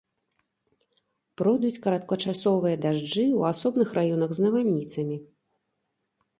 Пройдуць кароткачасовыя дажджы, у асобных раёнах з навальніцамі.